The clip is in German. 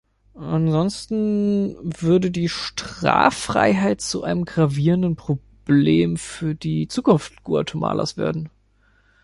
Ansonsten würde die Straffreiheit zu einem gravierenden Problem für die Zukunft Guatemalas werden.